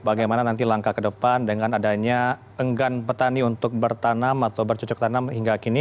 bagaimana nanti langkah ke depan dengan adanya enggan petani untuk bertanam atau bercocok tanam hingga kini